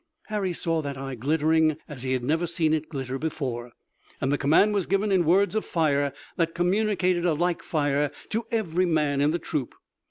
Harry saw that eye glittering as he had never seen it glitter before, and the command was given in words of fire that communicated a like fire to every man in the troop.